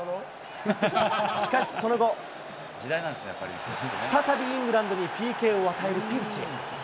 しかしその後、再びイングランドにＰＫを与えるピンチ。